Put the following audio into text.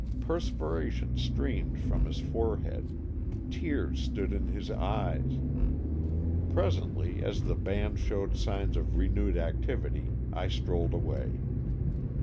Perspiration streamed from his forehead, tears stood in his eyes. Presently, as the band showed signs of renewed activity, I strolled away.